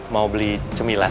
mau beli cemilan